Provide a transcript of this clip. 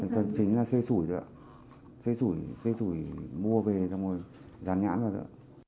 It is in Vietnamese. thật chính là xê sủi đó xê sủi mua về rồi dán nhãn vào đó